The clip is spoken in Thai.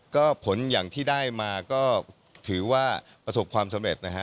ก็ผลอย่างที่ได้มาก็ถือว่าประสบความสำเร็จนะฮะ